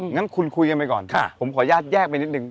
งั้นคุณคุยกันไปก่อนผมขออนุญาตแยกไปนิดนึง